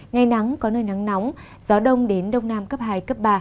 ngày nắng có nơi nắng nóng gió đông đến đông nam cấp hai cấp ba